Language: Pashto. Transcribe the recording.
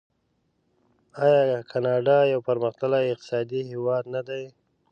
آیا کاناډا یو پرمختللی اقتصادي هیواد نه دی؟